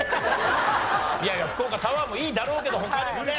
いやいや福岡タワーもいいだろうけど他にもね